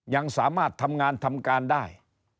ยังสามารถทำงานทำการได้